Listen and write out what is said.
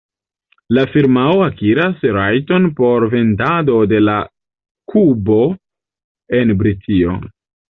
La firmao akiras rajton por vendado de la kubo en Britio.